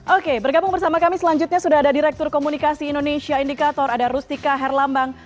oke bergabung bersama kami selanjutnya sudah ada direktur komunikasi indonesia indikator ada rustika herlambang